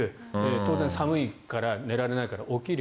当然寒いから寝られないから起きる。